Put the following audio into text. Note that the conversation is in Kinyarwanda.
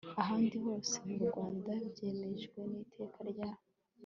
ahandi hose mu rwanda byemejwe n iteka rya